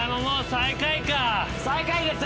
最下位です。